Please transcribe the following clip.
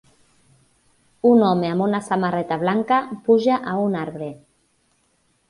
Un home amb una samarreta blanca puja a un arbre.